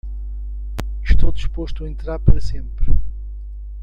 Estou disposto a entrar para sempre.